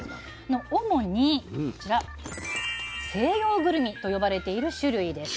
主にこちら西洋ぐるみと呼ばれている種類です。